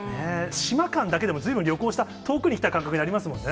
島からだけでも、ずいぶん旅行した、遠くに来た感覚ありますもんね。